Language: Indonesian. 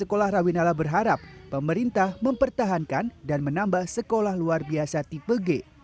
sekolah rawinala berharap pemerintah mempertahankan dan menambah sekolah luar biasa tipe g